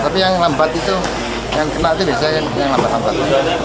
tapi yang lembat itu yang kena itu bisa yang lembat lembat